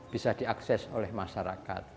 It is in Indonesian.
bisa diakses oleh masyarakat